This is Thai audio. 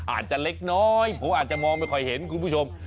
อาจจะเล็กน้อยผมอาจจะมองไม่ค่อยเห็นคุณผู้ชม